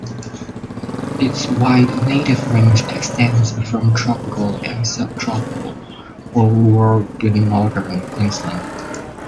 Its wide native range extends from tropical and subtropical Old World to northern Queensland.